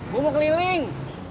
gua mau keliling